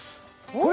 これ？